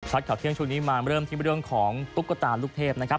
ข่าวเที่ยงช่วงนี้มาเริ่มที่เรื่องของตุ๊กตาลูกเทพนะครับ